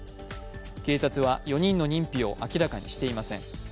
警察は４人の認否を明らかにしていません。